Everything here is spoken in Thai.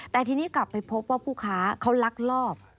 แต่ทีนี้กลับไปพบว่าผู้ค้าเขาลักลอบ